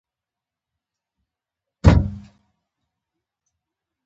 کاڼه او ړانده يې راټول کړي وو چې خلک ته خبرې وکړي.